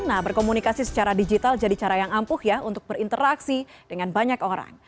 nah berkomunikasi secara digital jadi cara yang ampuh ya untuk berinteraksi dengan banyak orang